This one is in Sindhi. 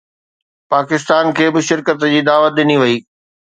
پاڪستان کي به شرڪت جي دعوت ڏني وئي